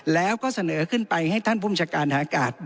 แล้วก็เสนอขึ้นไปให้ท่านภูมิชาการฐานอากาศ